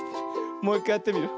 もういっかいやってみるよ。